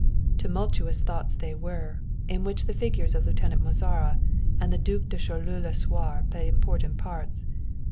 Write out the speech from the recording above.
Tumultuous thoughts they were, in which the figures of Lieutenant Mozara and the Duc de Choleaux Lasuer played important parts.